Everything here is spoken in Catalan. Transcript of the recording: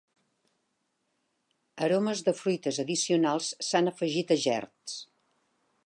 Aromes de fruites addicionals s'han afegit a gerds.